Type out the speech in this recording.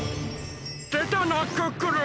でたなクックルン！